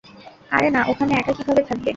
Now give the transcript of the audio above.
আরে না, ওখানে একা কীভাবে থাকবে।